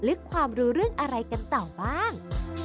ลึกความรู้เรื่องอะไรกันต่อบ้าง